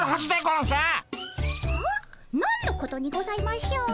何のことにございましょう？